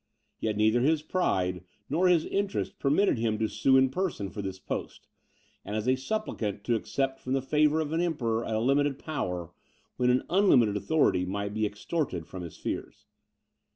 Yet neither his pride, nor his interest, permitted him to sue in person for this post, and as a suppliant to accept from the favour of the Emperor a limited power, when an unlimited authority might be extorted from his fears.